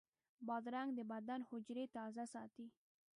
بادرنګ د بدن حجرې تازه ساتي.